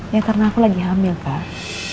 ya karena aku lagi hamil kan